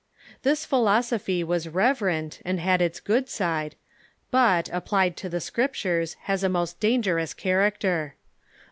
This philosophy was reverent, and liad its good side, but, applied to the Scriptures, has a most dangerous character.